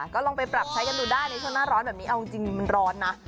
ก็ลองไปปรับใช้กันดูได้ในช่วงหน้าร้อนแบบนี้เอาจริงมันร้อนนะ